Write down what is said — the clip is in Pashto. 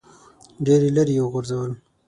ډېر لیرې یې وغورځول.